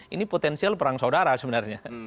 ini potensial perang saudara sebenarnya